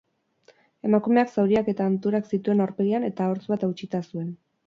Emakumeak zauriak eta hanturak zituen aurpegian eta hortz bat hautsita zuen.